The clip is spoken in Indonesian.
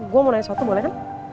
gue mau nanya sesuatu boleh kan